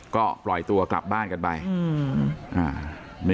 ก็ปล่อยตัวกลับบ้านกันไป